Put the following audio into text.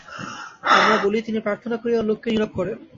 আমরা বলি, তিনি প্রার্থনা করিয়া লোককে নীরোগ করেন।